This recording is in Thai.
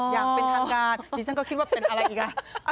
อย่างเป็นทางการดิฉันก็คิดว่าเป็นอะไรอีกอ่ะ